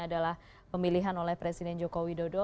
adalah pemilihan oleh presiden joko widodo